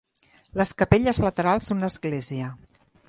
Les capelles laterals d'una església.